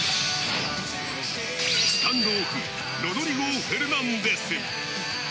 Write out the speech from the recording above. スタンドオフ、ロドリゴ・フェルナンデス。